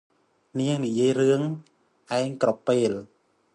នាងនិយាយរឿងឯងគ្រប់ពេល។